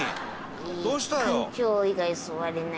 どうしたよ」